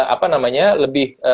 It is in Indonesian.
apa namanya lebih